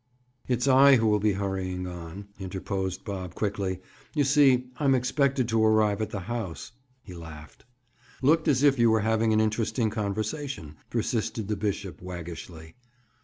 "It's I who will be hurrying on," interposed Bob quickly. "You see, I'm expected to arrive at the house," he laughed. "Looked as if you were having an interesting conversation," persisted the bishop waggishly.